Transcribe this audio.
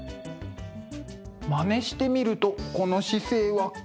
まねしてみるとこの姿勢はきつい。